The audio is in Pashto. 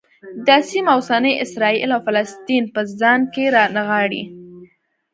دا سیمه اوسني اسرایل او فلسطین په ځان کې رانغاړي.